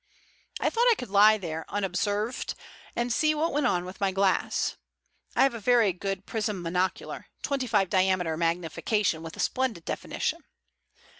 I thought I could lie there unobserved, and see what went on with my glass. I have a very good prism monocular—twenty five diameter magnification, with a splendid definition.